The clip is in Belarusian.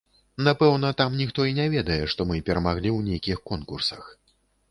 Напэўна, там ніхто і не ведае, што мы перамаглі ў нейкіх конкурсах.